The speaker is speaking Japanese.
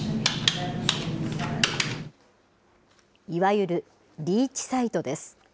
いわゆるリーチサイトです。